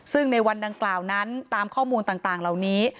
ซึ่งในวันดังกล่าวนั้นตามข้อมูลต่างเหล่านี้